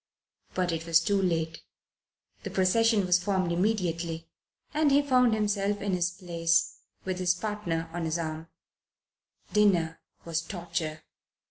But it was too late. The procession was formed immediately, and he found himself in his place with his partner on his arm. Dinner was torture.